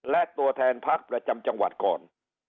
และตัวแทนพักประจำจังหวัดก่อน